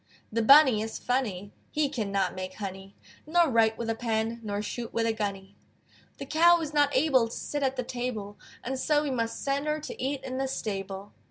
The Bunny is funny; He cannot make honey, Nor write with a pen, Nor shoot with a gunny. The Cow is not able To sit at the table, And so we must send her To eat in the stable.